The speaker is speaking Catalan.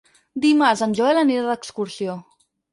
Dimarts en Joel anirà d'excursió.